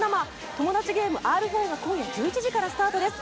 「トモダチゲームＲ４」が今夜１１時からスタートです。